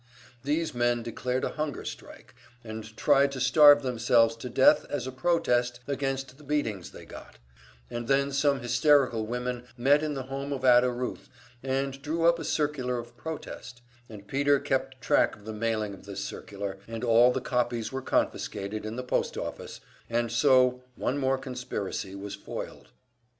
These men declared a hunger strike, and tried to starve themselves to death as a protest against the beatings they got; and then some hysterical women met in the home of Ada Ruth, and drew up a circular of protest, and Peter kept track of the mailing of this circular, and all the copies were confiscated in the post office, and so one more conspiracy was foiled.